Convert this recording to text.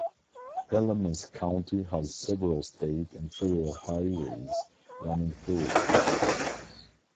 Alamance County has several state and federal highways running through it.